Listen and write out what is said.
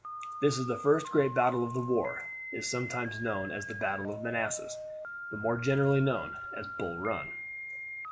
This, the first great battle of the war, is sometimes known as the battle of Manassas, but more generally as Bull Run.